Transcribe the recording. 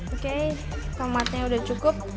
oke tomatnya udah cukup